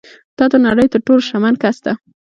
دا د نړۍ تر ټولو شتمن کس ده